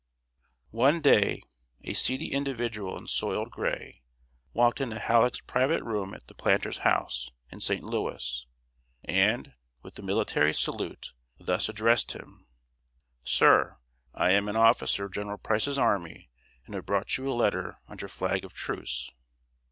] One day, a seedy individual in soiled gray walked into Halleck's private room at the Planter's House, in St. Louis, and, with the military salute, thus addressed him: "Sir, I am an officer of General Price's army, and have brought you a letter under flag of truce."